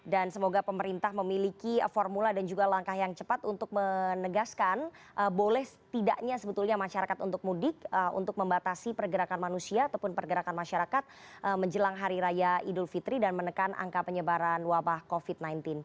dan semoga pemerintah memiliki formula dan juga langkah yang cepat untuk menegaskan boleh tidaknya sebetulnya masyarakat untuk mudik untuk membatasi pergerakan manusia ataupun pergerakan masyarakat menjelang hari raya idul fitri dan menekan angka penyebaran wabah covid sembilan belas